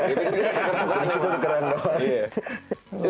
itu keren banget